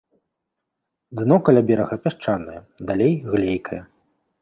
Дно каля берага пясчанае, далей глейкае.